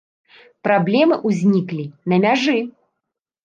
Праблемы ўзніклі на мяжы.